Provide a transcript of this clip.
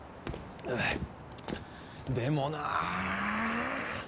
でもなあ！